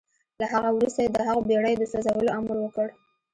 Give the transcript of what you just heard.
له هغه وروسته يې د هغو بېړيو د سوځولو امر وکړ.